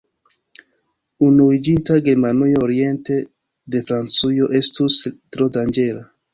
Unuiĝinta Germanujo oriente de Francujo estus tro danĝera.